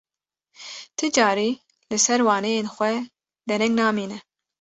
Ti carî li ser waneyên xwe dereng namîne.